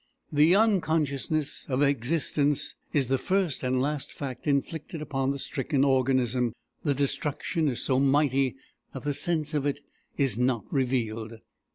The unconsciousness of existence is the first and last fact inflicted upon the stricken organism: the destruction is so mighty, that the sense of it is not revealed.